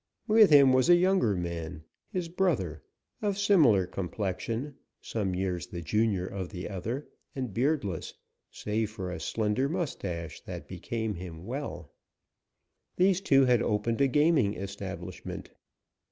With him was a younger man, his brother, of similar complexion, some years the junior of the other and beardless, save for a slender mustache that became him well. These two had opened a gaming establishment.